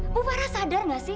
bu farah sadar nggak sih